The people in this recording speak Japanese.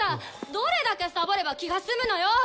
どれだけサボれば気が済むのよ！